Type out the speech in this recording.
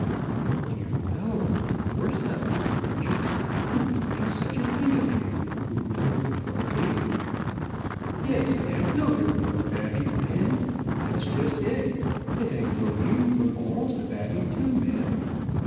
"Oh dear, no, of course not, Mr. Pritchett. Who would think such a thing of you, who's known her from a baby?" "Yes, I have know'd her from a babby, ma'am. That's just it; and I've know'd you from amost a babby too, ma'am."